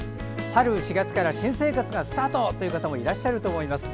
春、４月から新生活がスタートという方もいらっしゃると思います。